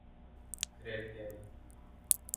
کریبیائی